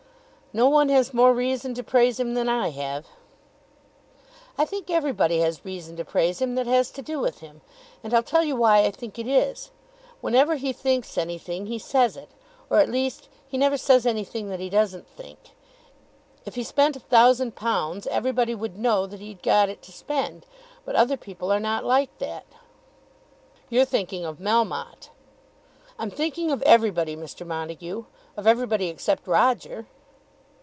"No one has more reason to praise him than I have." "I think everybody has reason to praise him that has to do with him. And I'll tell you why I think it is. Whenever he thinks anything he says it; or, at least, he never says anything that he doesn't think. If he spent a thousand pounds, everybody would know that he'd got it to spend; but other people are not like that." "You're thinking of Melmotte." "I'm thinking of everybody, Mr. Montague; of everybody except Roger."